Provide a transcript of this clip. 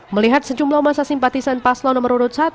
melihat sejumlah masa simpatisan paslon nomor urut satu